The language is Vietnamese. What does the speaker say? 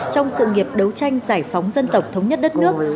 trong sự nghiệp đấu tranh giải phóng dân tộc thống nhất đất nước